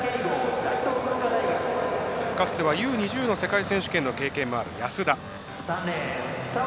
かつてはＵ２０の世界選手権の経験もある安田。